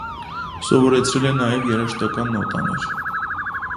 Սովորեցրել է նաև երաժշտական նոտաներ։